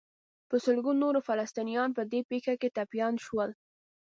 په سلګونو نور فلسطینیان په دې پېښه کې ټپیان شول.